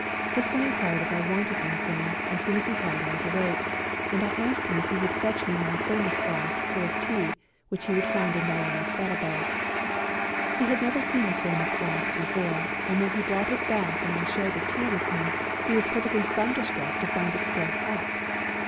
This one inquired if I wanted anything, as soon as he saw that I was awake, and I asked him if he would fetch me my thermos flask full of tea, which he would find in Diana's saddle bag. He had never seen a thermos flask before, and when he brought it back and I shared the tea with him he was perfectly thunderstruck to find it still hot.